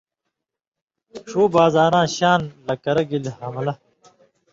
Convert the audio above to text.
ݜُو بازاں شان لہ کرہ گِلی حملہ